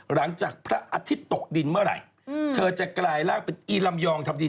หลังจากพระอาทิตย์ตกดินเมื่อไหร่เธอจะกลายร่างเป็นอีลำยองทำดี